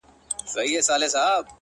• اې ه سترگو کي کينه را وړم،